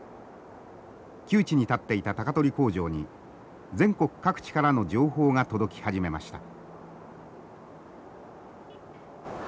窮地に立っていた鷹取工場に全国各地からの情報が届き始めました。